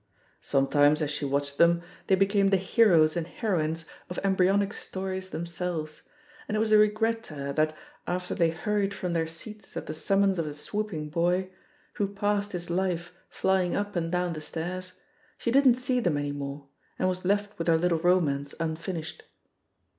Sometimes, as she watched them, they became the heroes and heroines of embryonic stories themselves, and it was a regret to her that, after they hurried from their seats at the summons of a swooping boy, who passed his life flying up and down the stairs, she didn't see them any more, and was left with her little romance un finished.